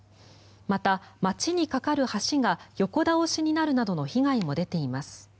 また、街に架かる橋が横倒しになるなどの被害も出ています。